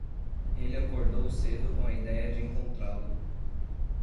Ele acordou cedo com a ideia de encontrá-lo.